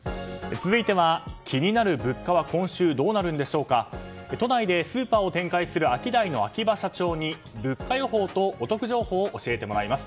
続いては、気になる物価は今週どうなるんでしょうか都内でスーパーを展開するアキダイの秋葉社長に物価予報とお得情報を教えてもらいます。